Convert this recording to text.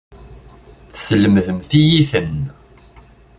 Teslemdemt-iyi-ten.